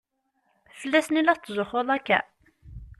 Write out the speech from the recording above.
Fell-asen i la tetzuxxuḍ akka?